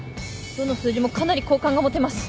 どの数字もかなり好感が持てます。